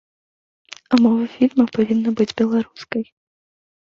А мова фільма павінна быць беларускай.